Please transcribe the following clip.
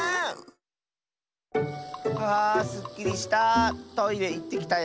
あすっきりした！